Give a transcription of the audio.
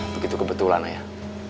begitu kebetulan ayah